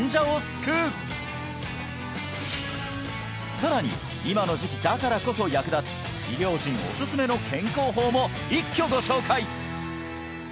さらに今の時期だからこそ役立つ医療人おすすめの健康法も一挙ご紹介！